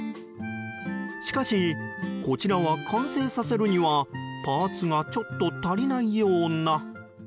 しかし、こちらは完成させるにはパーツがちょっと足りないような。